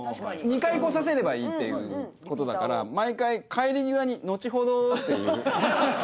２回来させればいいっていうことだから毎回帰り際に「のちほど」って言う。